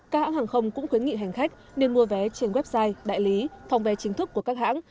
các hãng hàng không cũng khuyến nghị hành khách nên mua vé trên website đại lý phòng vé chính thức của các hãng